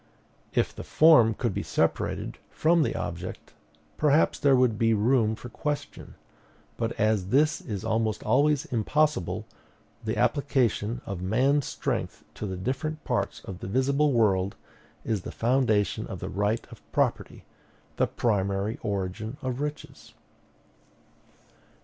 If the form could be separated from the object, perhaps there would be room for question; but as this is almost always impossible, the application of man's strength to the different parts of the visible world is the foundation of the right of property, the primary origin of riches."